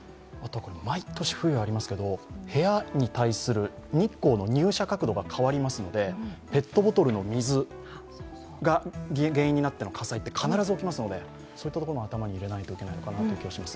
毎年冬、部屋に対する日光の入射角度が変わりますのでペットボトルの水が原因になっての火災は必ず起きますのでそういったことも頭に入れないといけない気がします。